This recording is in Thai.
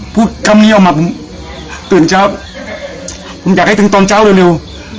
พูดคำนี้ออกมาผมตื่นเช้าผมอยากให้ถึงตอนเช้าเร็ว